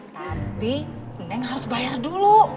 tapi neng harus bayar dulu